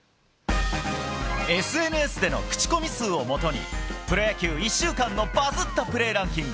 ＳＮＳでの口コミ数をもとにプロ野球、１週間のバズったプレーランキング